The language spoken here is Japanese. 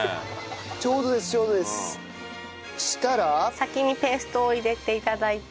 先にペーストを入れて頂いて。